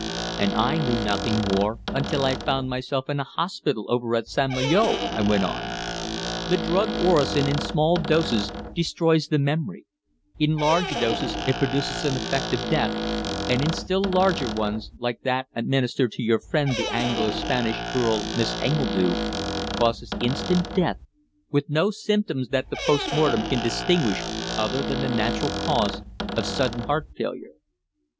"And I knew nothing more until I found myself in a hospital over at St. Malo," I went on. "The drug orosin in small doses destroys the memory; in large doses it produces an effect of death, and in still larger ones like that administered to your friend the Anglo Spanish girl Miss Engledue causes instant death, with no symptoms that the post mortem can distinguish other than the natural cause of sudden heart failure."